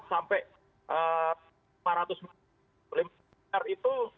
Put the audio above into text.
sampai rp lima ratus itu